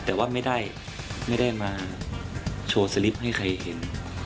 แต่ว่าไม่ได้มาโชว์สลิปให้ใครเห็น